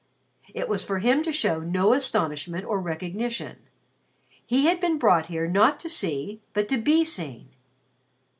It was for him to show no astonishment or recognition. He had been brought here not to see but to be seen.